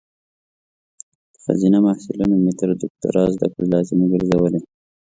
په خځینه محصلینو مې تر دوکتوری ذدکړي لازمي ګرزولي